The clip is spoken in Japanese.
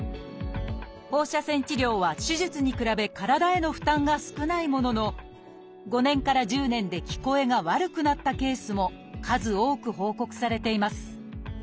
放射線治療は手術に比べ体への負担が少ないものの５年から１０年で聞こえが悪くなったケースも数多く報告されています。